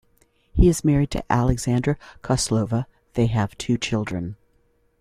He is married to Alexandra Kozlova, they have two children.